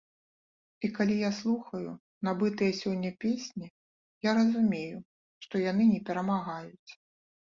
І калі я слухаю набытыя сёння песні, я разумею, што яны не перамагаюць.